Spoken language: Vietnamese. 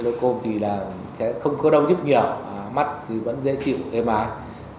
glucom thì là sẽ không có đâu dứt nhiều mắt thì vẫn dễ chịu êm ái